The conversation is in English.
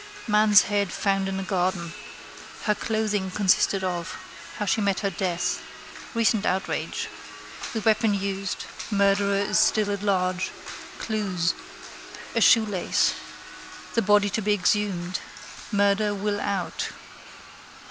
Man's head found in a garden. Her clothing consisted of. How she met her death. Recent outrage. The weapon used. Murderer is still at large. Clues. A shoelace. The body to be exhumed. Murder will out.